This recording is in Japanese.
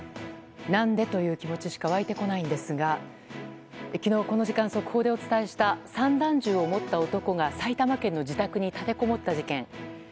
何で？という気持ちしか湧いてこないんですが昨日、この時間速報でお伝えした散弾銃を持った男が埼玉県の自宅に立てこもった事件。